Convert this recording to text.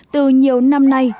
từ nhiều năm nay